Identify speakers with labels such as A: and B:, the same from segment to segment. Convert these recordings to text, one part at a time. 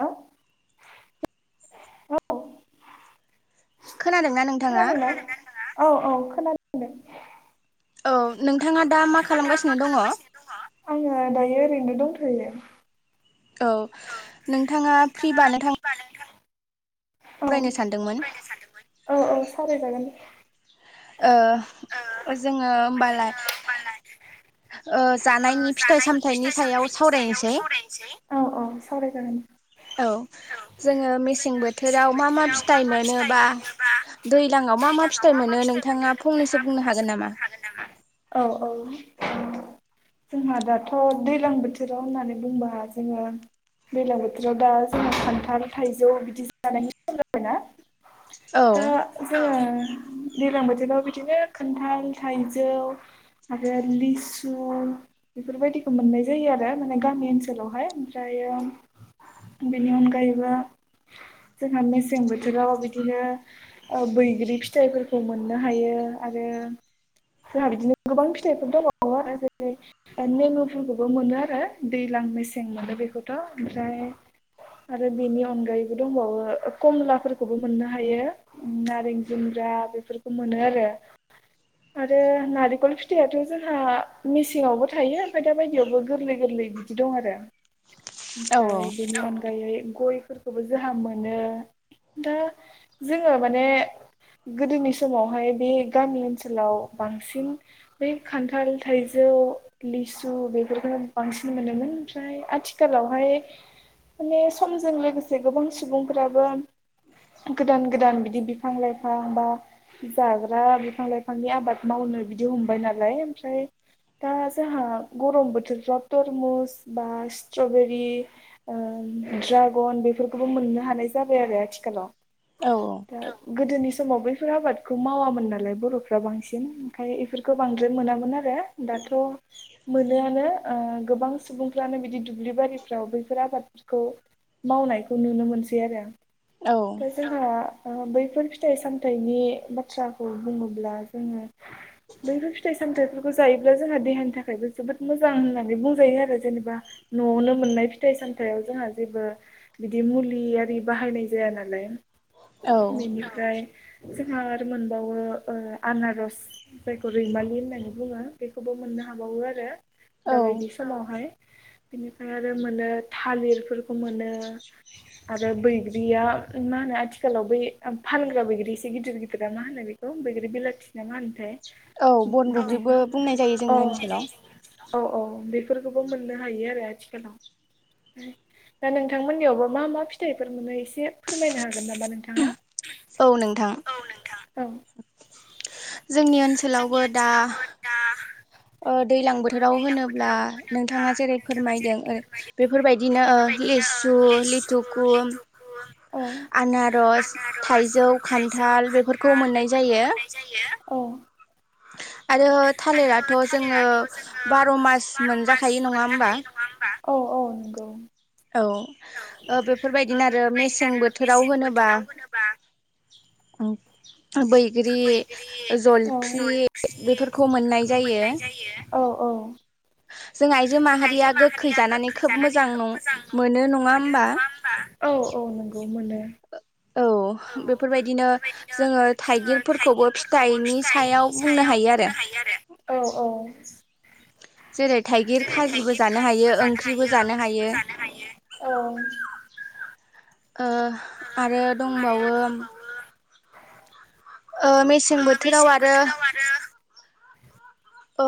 A: हेल औ।
B: खोनादों ना नों
A: खोनादों औ औ खोनानोदों दे
B: औ नोंथाङा दा मा खालामगासिनो दङो?
A: आङो दायो ओरैनो दंथ'यो।
B: औ नोंथाङा फ्रिबा नोथां
A: होमबा नोंथां
B: फरायनो सानदोंमोन
A: औ औ सावराय जागोन दे
B: ओ जोङो ओमबालाय ओ जानायनि फिथाइ सामथायनि सायाव सावरायनोसै
A: औ औ सावराय जागोन।
B: औ। जोङो मेसें बोथोराव मा मा फिथाइ मोनो बा दैलांआव मा मा फिथाइ मोनो नों नोंथाङा फंनैसो बुंनो हागोन नामा?
A: औ औ ओं जोंहा दा दाथ' दैलां बोथोराव होननानै बुंबा जोङो दैलां बोथोराव दा जोंहा खान्थाल थाइजौ बिदि जानायनि सम जाबाय ना
B: औ
A: दा जोङो दैलां बोथोराव बिदिनो खान्थाल-थाइजौ आरो लिसु बेफोरबायदि खो मोननाय जायो आरो माने गामि ओनसोलावहाय ओमफ्रायो बेनि अनगायैबो जोंहा मेसें बोथोराव बिदिनो औ बैग्रि फिथायफोरखौ मोननो हायो आरो जोंहा बिदिनो गोबां फिथाइफोर दंबावो आरो जेरै नेमु फोरखौबो मोनो आरो दैलां मेसें मोनो बेखौथ' ओमफ्राय आरो बेनि अनगायैबो दंबावो कमलाफोरखौबो मोननो हायो। नारें जुमब्रा बेफोरखौ मोनो आरो। आरो नारिखल फिथाइआथ जोंहा मेसेंआवबो थायो फाय दा बायदियावबो गोरलै गोरलै बिदि दं आरो
B: औ
A: ओमफ्राय बेनि अन ओमफ्राय गयफोरखौबो जोंहा मोनो दा जोङो माने गोदोनि समावहाय बे गामि ओनसोलाव बांसिन बै खान्थाल थाइजौ लि सु बेफोरखौनो बांसिन मोनोमोन ओमफ्राय आथिखालावहाय माने समजों लोगोसे गोबां सुबुंफोरा बो गोदान गोदान बिदि बिफां लाइफां बा जाग्रा बिफां लाइफांनि आबाद मावनो बिदि हमबाय नालाय ओमफ्राय दा जोंहा गरम बोथोरफ्राव तरमुस बा स्ट्रबेरि ओ ड्रागन बेफोरखौबो मोननो हानाय जाबाय आरो आथिखालाव।
B: औ।
A: औ गोदोनि समाव बैफोर आबादखौ मावामोन नालाय बर'फ्रा बांसिन ओंखाय बेफोरखौ बांद्राय मोनामोन आरो दाथ' मोनोआनो ओ गोबां सुबुंफ्रानो बिदि दुब्लि बारिफ्राव बैफोर आबादफोरखौ मावनायखौ नुनो मोनसै आरो [unintelligible]
B: औ
A: जोंहा ओ बैफोर फिथाइ सामथाइनि बाथ्राखौ बुङोब्ला जोङो बैफोर फिथाइ सामथायफोरखौ जायोब्ला जोंहा देहानि थाखायबो जोबोद मोजां होननानै बुंजायो आरो जेनेबा न'आवनो मोननाय फिथाइ सामथाइयाव जोंहा जेबो बिदि मुलि आरि बाहायनाय जाया नालाय
B: औ
A: [unintelligible] ओमफ्राय जोंहा आरो मोनबावो ओ आनारस जायखौ रैमालि होननानै बुङो बेखौबो मोननो हाबावो आरो। आरो
B: औ
A: दा बायदि समावहाय। बेनिफ्राय आरो मोनो थालिरफोरखौ मोनो। आरो बैग्रिया मा होनो आथिखालाव बै फानग्रा बैग्रि एसे गिदिर गिदिरा मा होनो बि औ बैग्रि बिलाथि नामा होनथाय
B: औ बन बग्रिबो बुंनाय जायो
A: बिदिखौ
B: जोंनि
A: अ
B: ओनसोलाव
A: औ औ बेफोरखौबो मोननो हायो आरो आथिखालाव। दा नोंथांमोननियावबो मा मा फिथाइफोरखौ मोनो एसे फोरमायनो हागोन नामा नोंथाङा?
B: औ नोंथां
A: औ
B: जोंनि ओनसोलावबो दा ओ दैज्लां बोथोराव होनोब्ला नोंथाङा जेरै फोरमायदों ओरै बेफोर बादिनो ओ लिसु लिथुखुम
A: औ
B: आनारस थाइजौ खान्थाल बेफोरखौ मोननाय जायो।
A: औ
B: आरो
A: आरो
B: थालिराथ' जोङो
A: थालिराथ' जोङो
B: बार' मास
A: बार' मास
B: मोनजाखायो नङा होमबा
A: मोनजाखायो नङा होमबा? औ औ नंगौ।
B: औ ओ बेफोरबायदिनो आरो मेसें बोथोराव होनोबा उम बैग्रि
A: औ
B: जलफि बेफोरखौ मोननाय जायो।
A: औ औ
B: जों आइजो माहारिया गोखै जानानै खोब मोजां नं मोनो नङा होमबा?
A: औ औ नोंगौ मोनो।
B: औ बेफोरबायदिनो जोङो थाइगिरफोरखौबो फिथाइनि सायाव
A: सायाव बुंनो हायो आरो औ औ।
B: जेरै थाइगिर
A: जेरै
B: खाजिबो
A: थाइगिर
B: जानो हायो
A: खाजिबो जानो
B: ओंख्रिबो
A: हायो
B: जानो
A: ओंख्रिबो
B: हायो
A: जानो हायो औ। [inaudible]
B: ओ आरो दंबावो ओ मेसें
A: ओ
B: बोथोराव
A: मेसें
B: आरो
A: बोथोराव आरो
B: ओ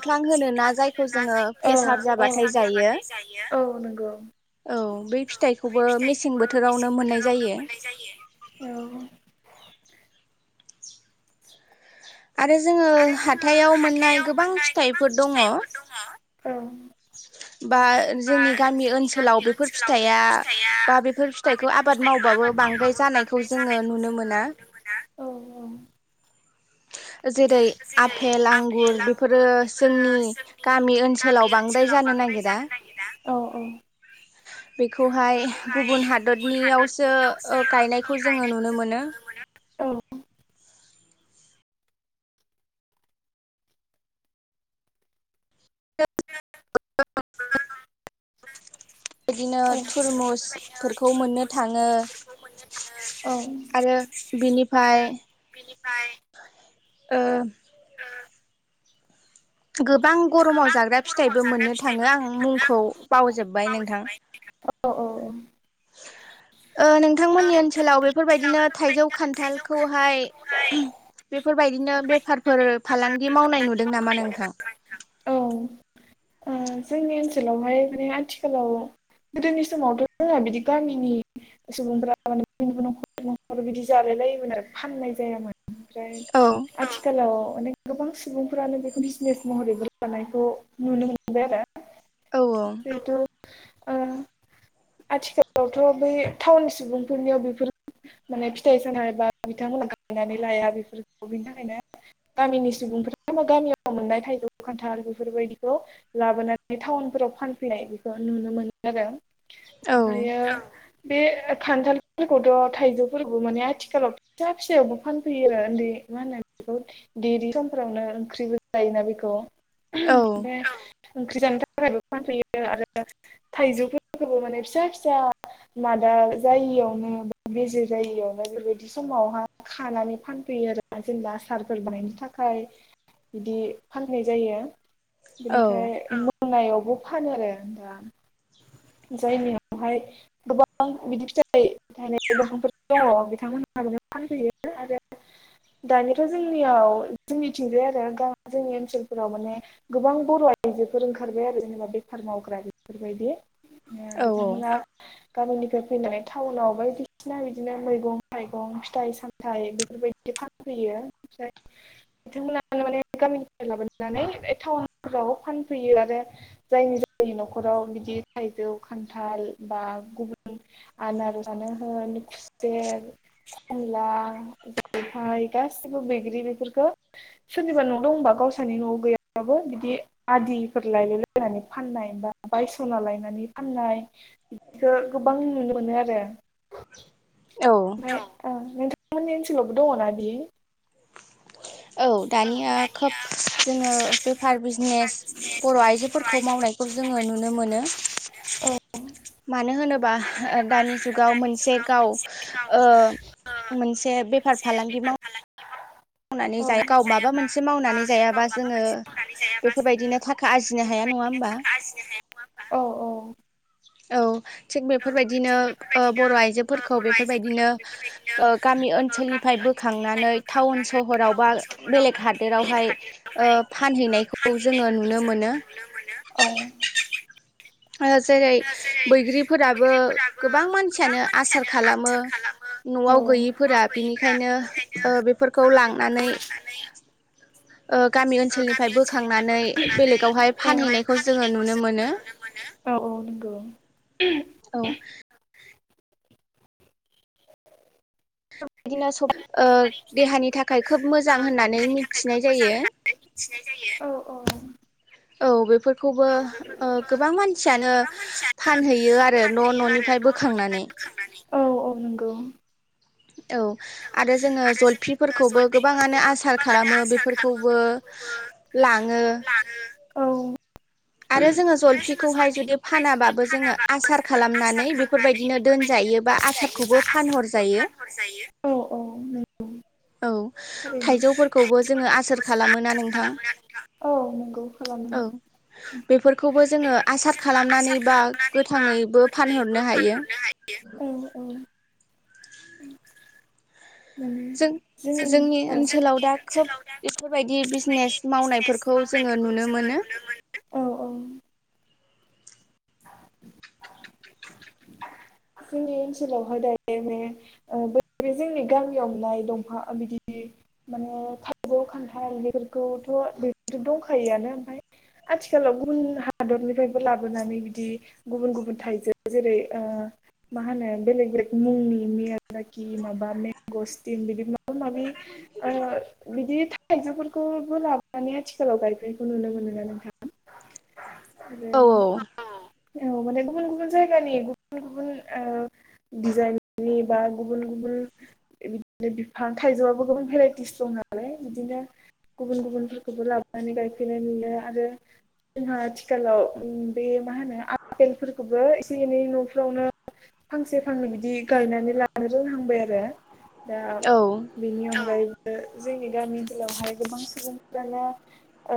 A: औ
B: होनोना
A: सिंख्लां होन
B: जायखौ
A: ना
B: जोङो फेसार
A: जायफोर
B: जाबाथाय
A: पसार
B: जायो
A: जाबाथाय जायो औ नंगौ।
B: औ बै फिथाइखौबो मेसें बोथोरावनो मोननाय जायो।
A: औ
B: आरो जोङो हाथायाव मोननाय गोबां फिथाइफोर दङ
A: औ
B: बा जोंनि गामि ओनसोलाव बेफोर फिथाइआ बा बेफोर फिथाइ बखौ आबाद मावबाबो बांद्राय जानायखौ जोङो नुनो मोना।
A: औ औ
B: जेरै आफेल आंगुर बेफोरो जोंनि गामि ओनसोलाव बांद्राय जानो नागिर
A: जानो नागिरा औ औ।
B: बेखौहाय
A: बेखौहाय गुबुन
B: हादरनियावसो ओ
A: हादरनियावसो
B: जोङो नुनो
A: गायनायखौ
B: मोनो
A: जों
B: [unintelligible] बिदिनो
A: औ
B: थुरमुसफोरखौ मोननो थाङो।
A: मोननो थाङो औ
B: आरो बिनिफाय ओ
A: ओ
B: गोबां गरमाव जाग्रा फिथाइबो मोननो थाङो आं मुंखौ बावजोबबाय नोंथां।
A: अ औ औ
B: ओ नोंथांमोननि ओनसोलाव बेफोरबायदिनो थाइजौ खान्थालखौहाय बेफोरबायदिनो बेफारफोर फालांगि मावनाय नुदों नामा नोंथां?
A: औ ओ जोंनि ओनसोलावहाय माने आथिखालाव गोदोनि समावथ' जोंहा बिदि गामिनि सुबुंफ्रा माने बिनि नखर बिनि नखर बिदि जालाय लायोमोन आरो फाननाय जायामोन ओमफ्राय
B: औ
A: आथिखालाव माने गोबां सुबुंफोरानो बेखौ बिजनेस महरैबो लानायखौ नुनो मोन [unintelligible] बिदि आरो
B: औ
A: जिथु ओ आथिखालावथ' बै टाउन सुबुंफोरनियाव बेफोर माने फिथाइ-सामथाय बा बिथांमोना गायनानै लाया बेफोरखौ बिनि थाखायनो गामिनि सुबुंफोरा गामियाव मोननाय थायजौ खान्थाल बेफोरबायदिखौ लाबोनानै टाउनफोराव फानफैनाय बेखौ नुनो मोन [unintelligible]
B: औ
A: ओमफायो बे खान्थालफोरखौथ' थाइजौफोरखौ माने आथिखालाव फिसा फिसायावबो फानफैयो आरो ओन्दै मा होनो बेखौ देरि समफोरावनो ओंख्रिबो जायोना बेखौ
B: औ
A: बे ओंख्रि जानो थाखायबो फानफैयो आरो थाइजौफोरखौबो माने फिसा-फिसा मादा जायियावनो बा बेजे जायियावनो बेबायदि समावहा खानानै फानफैयो आरोना जेनेबा आसारफोर बानायनो थाखाय बिदि फान फाननाय जायो
B: औ
A: बिनिफ्राय [unintelligible] नायावबो फानो आरो दा जायनियावहाय गोबां बिदि फिथाइ थायनाय दंफांफोर दंङ बिथांमोन [unintelligible] माने फानफैयो आरो दानियाथ' जोंनियाव जोंनिथिंजाय आरो दा जोंनि ओनसोल फोराव माने गोबां बर' आइजोफोर ओंखारबाय आरो जेनेबा बेफार मावग्रा बेफोरबायदि ओ
B: औ
A: बिथांमोना गामिनिफ्राय फैनानै टाउनाव बायदिसिना बिदिनो मैगं थाइगं फिथाइ साम थाइ बेफोरबायदि फानफैयो ओमफ्राय बिथांमोना माने गामिनिफ्राय लाबोना [unintelligible] नानै टाउनफोराव फानफैयो आरो जायनि जायनि न'खराव बिदि थाइजौ खान्थाल बा गुबुन आनारसानो होन खुसेर खमला [unintelligible] गासिबो बैग्रि बेफोरखो सोरनिबा न' दंबा गावसोरनि न'आव गैयाबाबो बिदि आदिफोर लायलायलायनानै फाननाय बा बायसना लायनानै फाननाय [unintelligible] खो गोबां नुनो मोनो आरो
B: औ
A: [unintelligible] नोंथां मोननि ओनसोलावबो दङना बि [unintelligible]
B: औ दानिया खोब जोङो बेफार बिजनेस बर' आइजोफोरखौ मावनाय खौ जोङो नुनो मोनो
A: औ
B: मानो होनोबा दानि जुगाव मोनसे गाव ओ मोनसे बेफार फालांगि माव
A: [inaudible] औ मावनानै
B: माबा
A: जायाबा
B: मोनसे
A: बा
B: मावनानै जायाबा
A: गाव माबा
B: जोङो
A: मोनसे मावनानै जायाबा जोङो
B: बेफोरबायदिनो थाखा आरजिनो हाया नङा होमबा
A: बेफोरबायदिनो आरजिनो हाया नङा होमबा औ औ
B: औ थिग बेफोरबायदिनो ओ बर' आइजोफोरखौ बेफोरबायदिनो ओ गामि ओनसोलनिफाय बो खांनानै टाउन सहराव बा बेलेग हादोरावहाय ओ फानैनाय खौ जोङो नुनो मोनो
A: औ
B: ओ जेरै बैग्रिफोरा बो गोबां मानसियानो आसार खालामो
A: औ
B: न'आव गैयिफोरा बिनिखायनो ओ बेफोरखौ लांनानै गामि ओनसोलनिफ्राय बोखांनानै बेलेगावहाय फानहैनायखौ जोङो नुनो मोनो
A: औ औ नंगौ
B: औ
A: [inaudible]
B: ओ देहानि थाखाय खोब मोजां होननानै मिथिनाय जायो
A: मिथिनाय जायो औ औ
B: औ बेफोरखौबो ओ गोबां मानसियानो फानहैयो आरो न' न'नि बोखांनानै
A: औ औ नंगौ
B: औ आरो जोङो जलफिफोरखौबो गोबाङानो आसार खालामो बेफोरखौबो लाङो
A: औ
B: आरो जोङो जलफिखौहाय जुदि फानाबाबो जोङो आसार खालामनानै बेफोरबायदिनो दोनजायो बा आसारखौबो फानहरजायो
A: जायो औ औ
B: औ
A: थारैनो
B: थाइजौफोरखौबो जोङो आसार खालामो ना नोंथां
A: औ नंगौ खालामो
B: औ बेफोरखौबो जोङो आसार खालामनानै बा गोथाङैबो फानहरनो हायो
A: औ औ उम
B: जों
A: जोंनि
B: ओनसोलाव दा खोब
A: ओनसालाव दा
B: बिजनेस
A: बेफोरबायदि बिजनेस
B: मावनायफोरखौ जोङो
A: मावनायफोरखौ
B: नुनो
A: जोङो
B: मोनो
A: नुनो मोनो औ औ जोंनि ओनसोलहाय दायो मे ओ बैबे जोंनि गामियाव नाय दंफां बिदि माने थायजौ खान्थाल बेफोरखौथ' बे दंखायोआनो ओमफ्राय आथिखालाव गुबुन हादरनिफ्रायबो लाबोनानै बि बिदि गुबुन गुबुन थाइजौ जेरै ओ मा होनो बेलेग बेलेग मुंनि मियादागि माबा मेगसटिन बिदि माबा माबि ओ बिदि थाइजौफोरखौबो लाबोनानै आथिखालाव गायफेरनायखौ नुनो मोनोना नोंथां दे
B: औ
A: औ माने गुबुन गुबुन जायगानि गुबुन गुबुन ओ दिजाइननि बा गुबुन गुबुन बिदिनो बिफां थाइजौआबो गोबां भेराइटिस दं नालाय बिदिनो गुबुन गुबुनफोरखौबो लाबोनानै गायफैनाय नुयो आरो जोंहा आथिखालाव उम बे मा होनो आफेलफोरखौबो एसे एनै न'फ्रावनो फांसे फांनै बिदि गायनानै लानो रोंहांबाय आरो दा
B: औ
A: बेनि अनगायैबो जोंनि गामि ओनसोलावहाय गोबां सुबुंफ्रानो ओ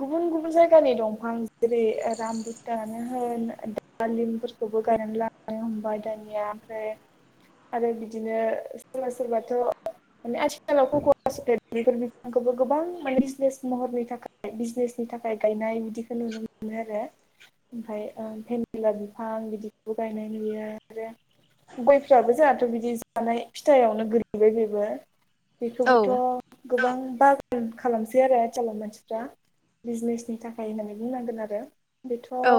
A: गुबुन गुबुन जायगानि दंफां जेरै राम दानो होन दालिमफोरखौबो गायनानै लांनो हमबाय दानिया ओमफ्राय आरो बिदिनो सोरबा सोरबाथ' माने आथिखालाव खक'वासो बेफोर बिफांखौबो गोबां माने बिजनेस महरनि थाखाय बिजनेसनि थाखाय गायनाय बिदिखौ नुनो मोनो आरो ओमफ्राय ओ‌ बिदिला बिफां बिदिखौबो गायनाय नुयो आरो गयफ्राबो जोंहाथ' बिदि जानाय फिथायाइावनो गोलैबाय बेबो
B: औ
A: बेखौबोथ' गोबां बागान खालामसै आरो आथिखालाव मानसिफ्रा बिजनेसनि थाखाय होननानै बुंनांगोन आरो बेथ'
B: औ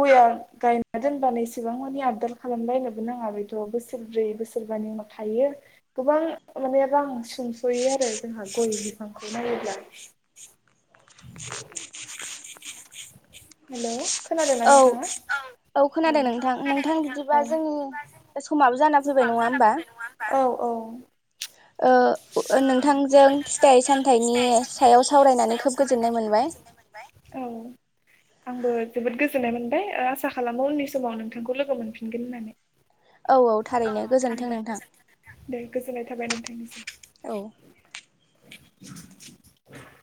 A: गया गायना दोनबानो एसेबां मानि आबदार खालामलायनोबो नाङा बेथ' बोसोरब्रै बोसोरबानि उनाव थायो गोबां माने रां सुंस'यो आरो जोंहा गय बिफांखौ नायोब्ला हेल' खोनादों ना
B: औ
A: नोंथाङा
B: औ खोनादों नोंथां नोंथां बिदिबा जों समाबो जाना फैबाय नङा होमबा?
A: औ औ औ
B: ओ नोंथांजों फिथाइ सामथाइनि सायाव सावरायनानै खोब गोजोननाय मोनबाय।
A: [unintelligible] औ आंबो जोबोद गोजोननाय मोनबाय ओ आसा खालामो समाव नोंथांखौ लोगो ‌मोनफिनगोन होननानै।
B: औ औ थारैनो गोजोनथों नोंथां।
A: दे गोजोननाय थाबाय।
B: औ